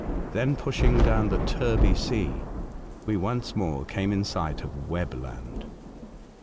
Then pushing down the Terby Sea, we once more came in sight of Webb Land.